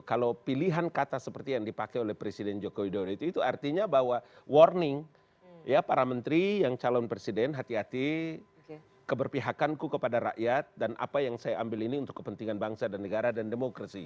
kalau pilihan kata seperti yang dipakai oleh presiden joko widodo itu artinya bahwa warning para menteri yang calon presiden hati hati keberpihakanku kepada rakyat dan apa yang saya ambil ini untuk kepentingan bangsa dan negara dan demokrasi